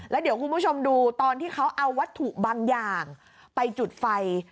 แล้วเดี๋ยวคุณผู้ชมดูตอนที่เขาเอาวัตถุบางอย่างไปจุดไฟ